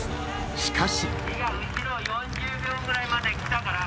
しかし。